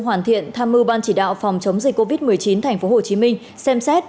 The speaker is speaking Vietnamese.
hoàn thiện tham mưu ban chỉ đạo phòng chống dịch covid một mươi chín tp hcm xem xét